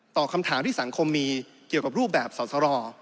ต่อคำถามที่สังคมมีเกี่ยวกับรูปแบบสอสร